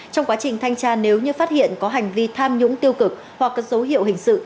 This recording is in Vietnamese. trong quá trình thanh tra nếu như phát hiện có hành vi tham nhũng tiêu cực hoặc có dấu hiệu hình sự